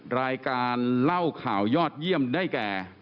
รายการเล่าข่าวยอดเยี่ยมได้แก่